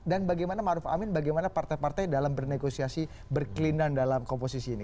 dan bagaimana ma'ruf amin bagaimana partai partai dalam bernegosiasi berkelinan dalam komposisi ini